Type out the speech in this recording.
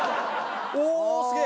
おおすげえ！